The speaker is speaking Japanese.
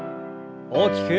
大きく。